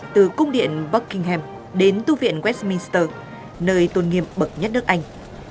từ cung điện buckingham đến tu viện westminster nơi tôn nghiêm bậc nhất nước anh